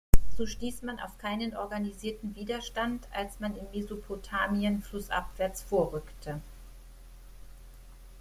So stieß man auf keinen organisierten Widerstand, als man in Mesopotamien flussabwärts vorrückte.